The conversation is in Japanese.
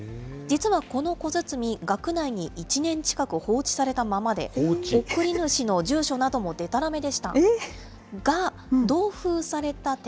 実はこの小包、学内に１年近く放置されたままで、送り主の住所などもでたらめでした。